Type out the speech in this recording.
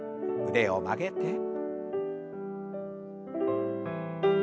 腕を曲げて。